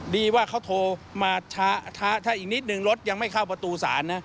ดีว่าเขาโทรมาถ้าอีกนิดนึงรถยังไม่เข้าประตูศาลนะ